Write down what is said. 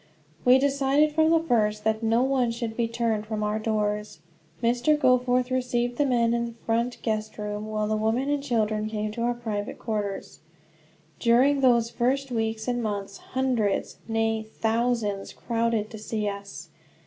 We decided, from the first, that no one should be turned from our doors. Mr. Goforth received the men in the front guest room, while the women and children came to our private quarters. During those first weeks and months hundreds, nay thousands, crowded to see us.